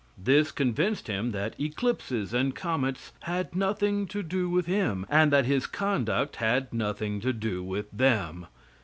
This convinced him that eclipses and comets had nothing to do with him, and that his conduct had nothing to do with them.